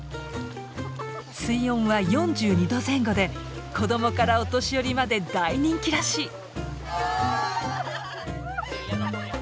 水温は４２度前後で子供からお年寄りまで大人気らしい。